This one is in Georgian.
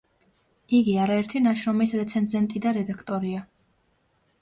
იგი არაერთი ნაშრომის რეცენზენტი და რედაქტორია.